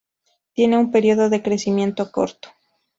Tiene un período de crecimiento corto.